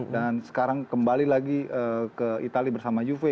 dan sekarang kembali lagi ke itali bersama juve